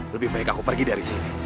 lebih baik aku pergi dari sini